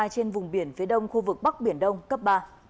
trên vùng biển phía đông khu vực bắc biển đông cấp ba